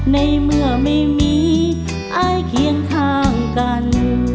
ในเมื่อไม่มีอายเคียงข้างกัน